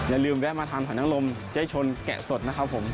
อย่าลืมแวะมาทานหอยนังลมเจ๊ชนแกะสดนะครับผม